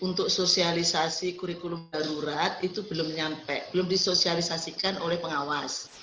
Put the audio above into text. untuk sosialisasi kurikulum darurat itu belum nyampe belum disosialisasikan oleh pengawas